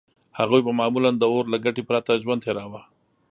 هغوی به معمولاً د اور له ګټې پرته ژوند تېراوه.